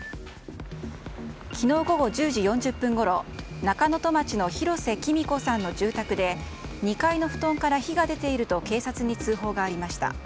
昨日午後１０時４０分ごろ中能登町の廣瀬貴美子さんの住宅で２階の布団から火が出ていると警察に通報がありました。